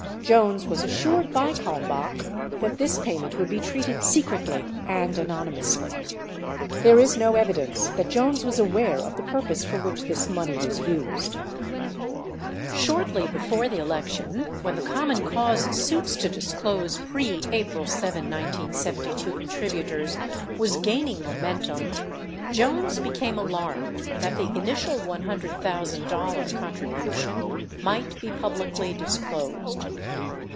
J ones was assured by Kalmbach that this payment would be treated secretly and anonymously. There is no evidence that Jones was aware of the purpose for which this money was used. Shortly before the election, when the Common Cause suits to disclose pre April 7, 1972, contributors was gaining momentum, Jones became alarmed that the initial $100,000 contribution might be publicly dis closed.